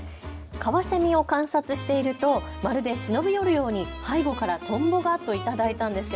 カワセミを観察しているとまるで忍び寄るように背後からトンボがと頂いたんです。